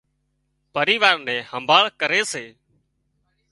پريوار نِي همڀاۯ ڪري سي